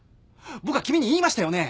僕は君に言いましたよね？